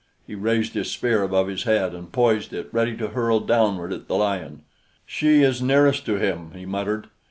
He raised his spear above his head and poised it ready to hurl downward at the lion. "She is nearest to him," he muttered.